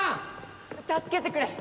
助けてくれ！